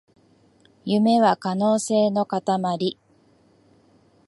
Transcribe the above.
夢は可能性のかたまり